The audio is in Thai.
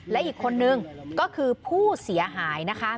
และอีกคนนึงก็คือผู้เสียหายนะคะ